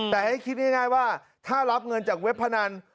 แต่ให้คิดง่ายว่าถ้ารับเงินจากเว็บพนัน